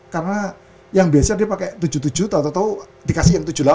karena yang biasa dia pakai tujuh puluh tujuh tau tau dikasih yang tujuh puluh delapan